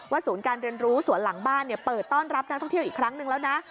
ศูนย์การเรียนรู้สวนหลังบ้านเปิดต้อนรับนักท่องเที่ยวอีกครั้งนึงแล้วนะ